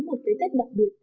một cái tết đặc biệt